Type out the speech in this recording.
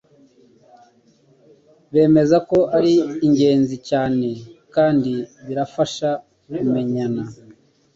bemeza ko ari ingenzi cyane kandi birafasha kumenyana